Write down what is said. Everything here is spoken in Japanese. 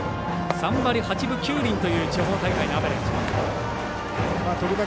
３割８分９厘という地方大会のアベレージ。